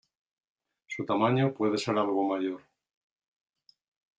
Su tamaño puede ser algo mayor.